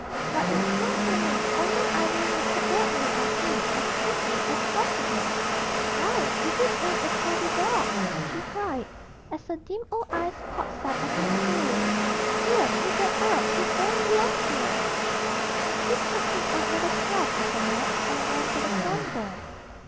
But the charwoman's only idea was to get rid of him as quickly as possible. 'Why, if it ain't a Toby dawg!' she cried, as her dim old eyes caught sight of his frill. Here, you get out; you don't belong 'ere!' And she took him up by the scruff of the neck and went to the front door.